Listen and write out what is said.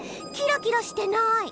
キラキラしてない！